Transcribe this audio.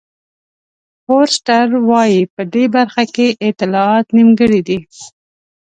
فورسټر وایي په دې برخه کې اطلاعات نیمګړي دي.